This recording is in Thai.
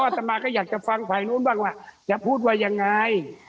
ตมาก็อยากจะฟังฝ่ายนู้นบ้างว่าจะพูดว่ายังไง